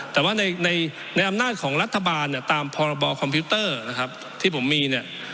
แต่ว่าในอำนาจของรัฐบาลตามพบคมพิวเตอร์ที่ผมมี